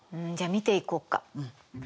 じゃあ見ていこっか。